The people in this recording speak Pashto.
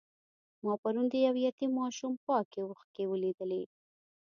ما پرون د یو یتیم ماشوم پاکې اوښکې ولیدلې.